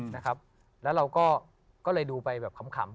นะครับแล้วเราก็เลยดูไปแบบขำ